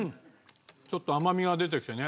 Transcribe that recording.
ちょっと甘みが出てきてね